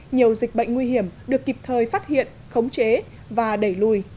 nhiều dịch bệnh nguy hiểm được kịp thời phát hiện khống chế và đẩy lùi